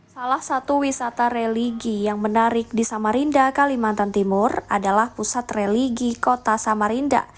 salah satu wisata religi yang menarik di samarinda kalimantan timur adalah pusat religi kota samarinda